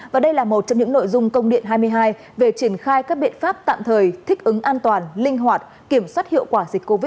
và đây là một trong những nội dung công điện hai mươi hai về triển khai các biện pháp tạm thời thích ứng an toàn linh hoạt kiểm soát hiệu quả dịch covid một mươi chín